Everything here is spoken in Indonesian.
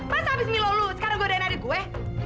pas abis milo lu sekarang godain adik gue